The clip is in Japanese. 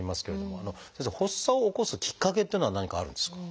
先生発作を起こすきっかけっていうのは何かあるんですか？